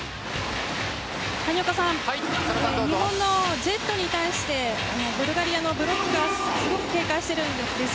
谷岡さん日本のジェットに対してブルガリアのブロックがすごく警戒しているんです。